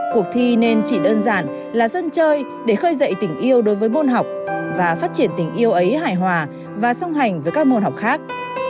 cuộc thi nên chỉ đơn giản là dân chơi để khơi dậy tình yêu đối với môn học và phát triển tình yêu ấy hài hòa và song hành với các môn học khác